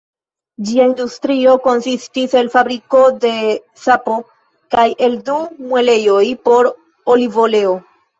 Ĝia industrio konsistis el fabriko de sapo kaj el du muelejoj por olivoleo.